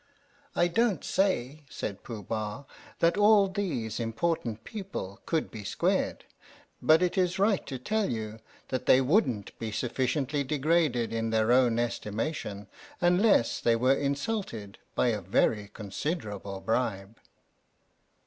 "I don't say," said Pooh Bah, "that all these important people could be squared; but it is right THE STORY OF THE MIKADO to tell you that they wouldn't be sufficiently degraded in their own estimation unless they were insulted by a very considerable bribe."